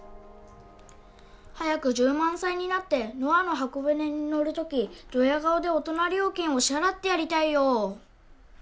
早く１０万歳になってノアの箱舟に乗るときどや顔で大人料金を支払ってやりたいよ。